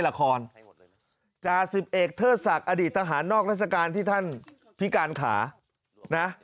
ละครจ่าสิบเอกเทิดศักดิ์อดีตทหารนอกราชการที่ท่านพิการขานะ